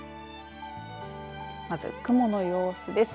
まず雲の様子です。